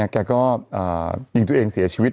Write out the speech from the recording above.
แกก็ยิงตัวเองเสียชีวิต